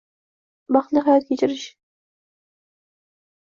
Baxtli hayot kechirish